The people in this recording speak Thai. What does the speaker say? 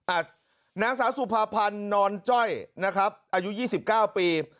นางสาวสุภาพันธ์นอนจ้อยนะครับอายุยี่สิบเก้าปี